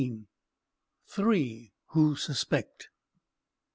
THREE WHO SUSPECT.